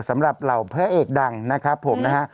สำหรับเราแพร่เอกดังนะครับผมนะฮะ